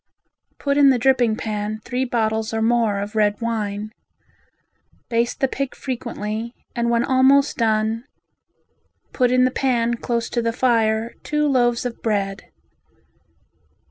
Put in the dripping pan three bottles or more of red wine. Baste the pig frequently and when almost done put in the pan close to the fire two loaves of bread.